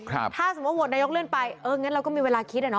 ถ้าสมมุติโหวตนายกเลื่อนไปเอองั้นเราก็มีเวลาคิดอ่ะเน